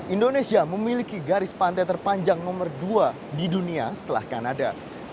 indonesia memiliki garis pantai terpanjang nomor dua di dunia setelah kanada